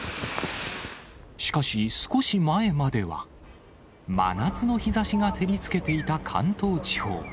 しかし少し前までは、真夏の日ざしが照りつけていた関東地方。